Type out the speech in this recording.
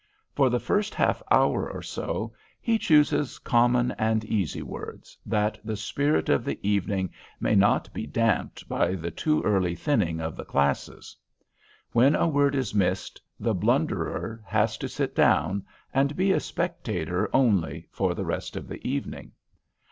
For the first half hour or so he chooses common and easy words, that the spirit of the evening may not be damped by the too early thinning of the classes. When a word is missed, the blunderer has to sit down, and be a spectator only for the rest of the evening.